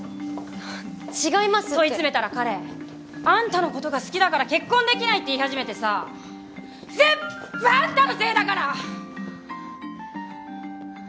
違いますって問い詰めたら彼あんたのことが好きだから結婚できないって言い始めてさ全部あんたのせいだから！